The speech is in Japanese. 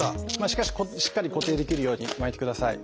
しかししっかり固定できるように巻いてください。